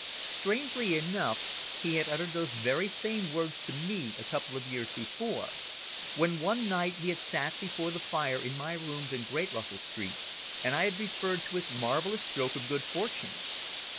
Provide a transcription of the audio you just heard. '" Strangely enough he had uttered those very same words to me a couple of years before, when one night he had sat before the fire in my rooms in Great Russell Street, and I had referred to his marvellous stroke of good fortune.